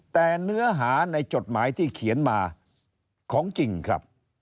แต่เนื้อหาในจดหมายที่เขียนมาของจริงครับ